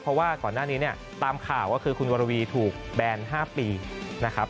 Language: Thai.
เพราะว่าก่อนหน้านี้เนี่ยตามข่าวก็คือคุณวรวีถูกแบน๕ปีนะครับ